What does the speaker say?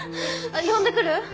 呼んでくる？